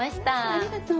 ありがとう。